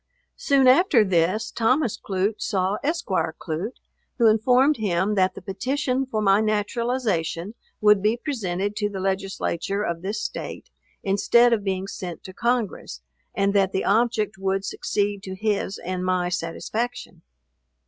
Soon after this Thomas Clute saw Esq. Clute, who informed him that the petition for my naturalization would be presented to the Legislature of this State, instead of being sent to Congress; and that the object would succeed to his and my satisfaction.